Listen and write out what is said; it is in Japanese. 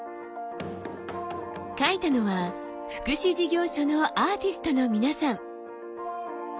描いたのは福祉事業所のアーティストの皆さん。